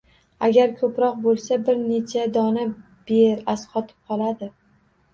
Agar ko`proq bo`lsa bir necha dona ber asqotib qoladi